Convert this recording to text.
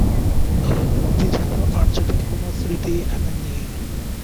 বিজিত আর্যদের কোন স্মৃতি এখানে নেই।